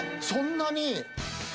そんなに。